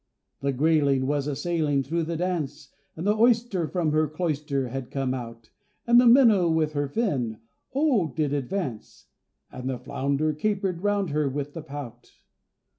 The Grayling was a sailing through the dance, And the Oyster from her cloister had come out; And the Minnow with her fin, oh! did advance, And the Flounder capered round her with the Pout.